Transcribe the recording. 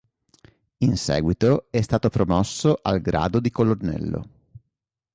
In seguito è stato promosso al grado di colonnello.